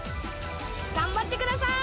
頑張ってください！